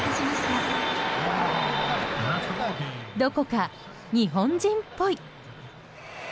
どこか日本人っぽい。